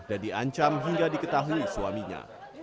dan diancam hingga diketahui suaminya